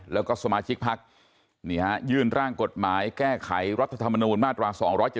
แล้วก็สมาชิกพักยื่นร่างกฎหมายแก้ไขรัฐธรรมนูญมาตรา๒๗๒